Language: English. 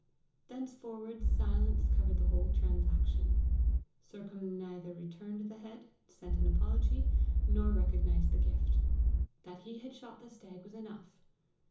Thenceforward silence covered the whole transaction. Sercombe neither returned the head, sent an apology, nor recognized the gift. That he had shot the stag was enough!